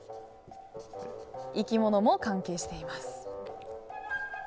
生き物も関係しています。